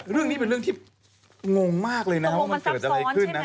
เรื่องนี้เป็นเรื่องที่งงมากเลยนะว่ามันเกิดอะไรขึ้นนะต้องบอกว่ามันซับซ้อนใช่ไหม